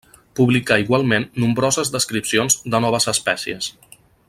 Publicà igualment nombroses descripcions de noves espècies.